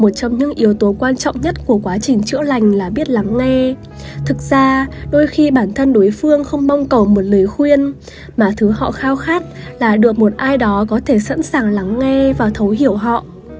trong những yếu tố quan trọng nhất của quá trình chữa lành là biết lắng nghe thực ra đôi khi bản thân đối phương không mông cầu một lời khuyên mà thứ họ khao khát là được một ai đó có thể sẵn sàng lắng nghe và thấu hiểu họ